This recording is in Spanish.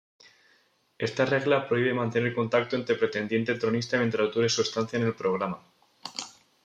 Esta regla prohíbe mantener contacto entre pretendiente-tronista mientras dure su estancia en el programa.